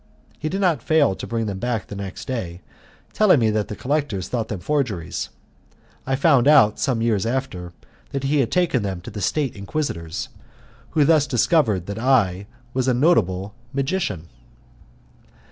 He did not fail to bring them back the next day, telling me that the collector thought them forgeries. I found out, some years after, that he had taken them to the State Inquisitors, who thus discovered that I was a notable magician.